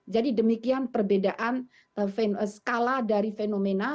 jadi demikian perbedaan skala dari fenomena